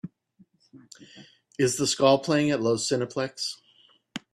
Is The Skull playing at Loews Cineplex